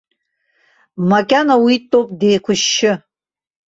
Макьана уи дтәоуп деиқәышьшьы.